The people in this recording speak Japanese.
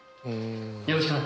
よろしくな。